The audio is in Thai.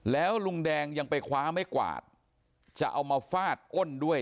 แล้วลุงแดงยังไปคว้าไม่กวาดจะเอามาฟาดอ้นด้วย